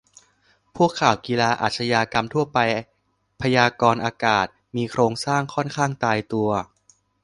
พวกข่าวกีฬา อาชญากรรมทั่วไป พยากรณ์อากาศ มีโครงสร้างค่อนข้างตายตัว